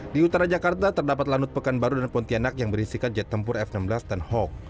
di utara jakarta terdapat lanut pekanbaru dan pontianak yang berisikan jet tempur f enam belas dan hawk